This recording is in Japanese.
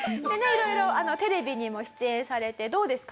色々テレビにも出演されてどうですか？